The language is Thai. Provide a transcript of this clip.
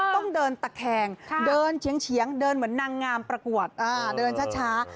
ต้องเดินตะแคงเดินเฉียงเดินเหมือนนางงามประกวดเดินช้า